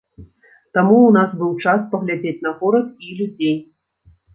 Таму ў нас быў час паглядзець на горад і людзей.